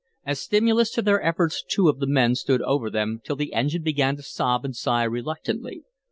As stimulus to their efforts two of the men stood over them till the engine began to sob and sigh reluctantly.